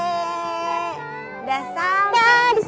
udah sampai kak